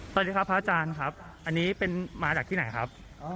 สวัสดีครับพระอาจารย์ครับอันนี้เป็นมาจากที่ไหนครับ